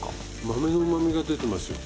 豆のうまみが出てますよ。